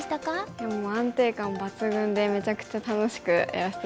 いやもう安定感抜群でめちゃくちゃ楽しくやらせて頂きました。